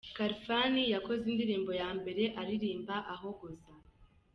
Khalfan yakoze indirimbo ya mbere aririmba ahogoza.